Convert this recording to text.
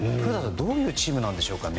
どういうチームなんでしょうか。